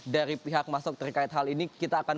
dari pihak masuk terkait hal ini kita akan